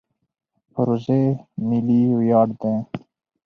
پروژه ملي ویاړ دی.